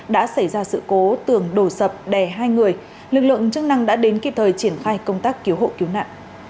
đã xảy ra sự cố tường đổ sập đè hai người lực lượng chức năng đã đến kịp thời triển khai công tác cứu hộ cứu nạn